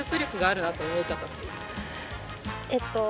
えっと。